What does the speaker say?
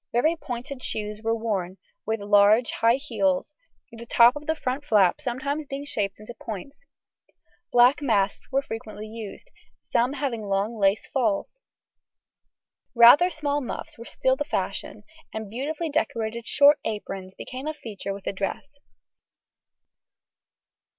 Very pointed shoes were worn, with large high heels, the top of the front flap in some being shaped into points. Black masks were frequently used, some having long lace falls. Rather small muffs were still the fashion, and beautifully decorated short aprons became a feature with the dress.